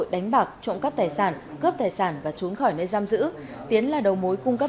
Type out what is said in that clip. đánh bạc trộm cắp tài sản cướp tài sản và trốn khỏi nơi giam giữ tiến là đầu mối cung cấp